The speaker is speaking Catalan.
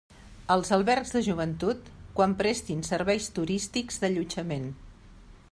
Els albergs de joventut, quan prestin serveis turístics d'allotjament.